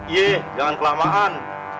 ye jangan kelamaan